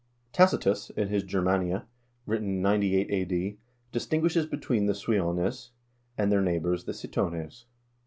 Tacitus, in his "Germania," written 98 a.d., distinguishes between the Suiones (Swedes) and their neighbors, the Sitones.